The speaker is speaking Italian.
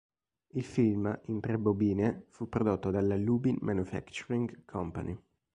Il film, in tre bobine, fu prodotto dalla Lubin Manufacturing Company.